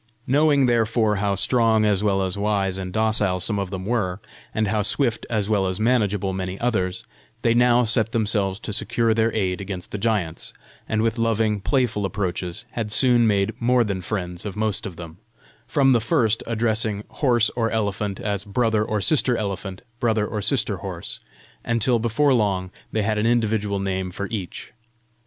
Knowing therefore how strong as well as wise and docile some of them were, and how swift as well as manageable many others, they now set themselves to secure their aid against the giants, and with loving, playful approaches, had soon made more than friends of most of them, from the first addressing horse or elephant as Brother or Sister Elephant, Brother or Sister Horse, until before long they had an individual name for each.